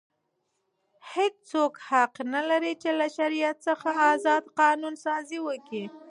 هیڅوک حق نه لري، چي له شریعت څخه ازاد قانون سازي وکي.